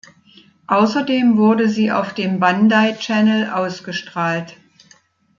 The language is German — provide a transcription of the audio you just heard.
Außerdem wurde sie auf dem Bandai Channel ausgestrahlt.